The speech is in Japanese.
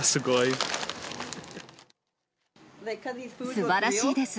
すばらしいです。